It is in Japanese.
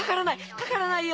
かからないよ！